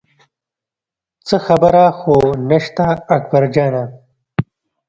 څه خبره خو نه شته اکبر جانه.